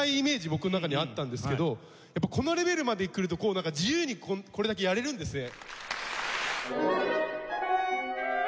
僕の中にあったんですけどこのレベルまで来ると自由にこれだけやれるんですね。